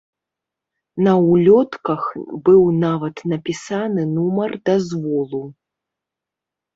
На улётках быў нават напісаны нумар дазволу.